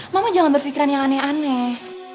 mama jangan berpikiran yang aneh aneh